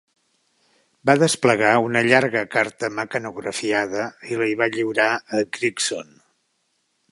Va desplegar una llarga carta mecanografiada i la hi va lliurar a Gregson.